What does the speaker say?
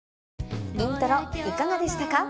『イントロ』いかがでしたか？